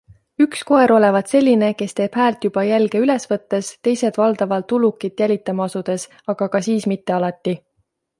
Üks koer olevat selline, kes teeb häält juba jälge üles võttes, teised valdavalt ulukit jälitama asudes, aga ka siis mitte alati.